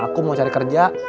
aku mau cari kerja